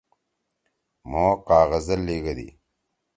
مھو کاغذ زید لیِگَدی۔